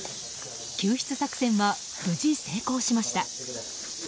救出作戦は無事成功しました。